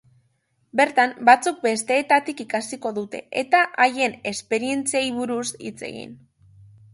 Bertan batzuk besteetatik ikasiko dute eta haien esperientziei buruz hitz egin.